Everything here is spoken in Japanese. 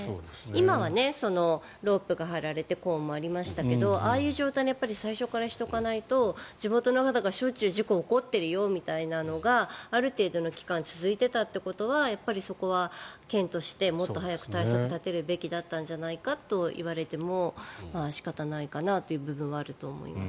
今はロープが張られてコーンもありましたけどああいう状態に最初からしておかないと地元の方がしょっちゅう事故が起こっているよみたいなことがある程度の期間続いてたということはそこは県としてもっと早く対策を立てるべきだったんじゃないかといわれても仕方ないかなという部分はあると思います。